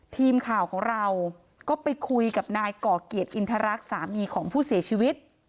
ทีมข่าวของเราก็ไปคุยกับนายก่อเกียรติอินทรรักษ์สามีของผู้เสียชีวิต